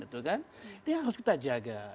ini harus kita jaga